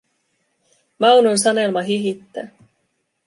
Maunon Sanelma hihittää.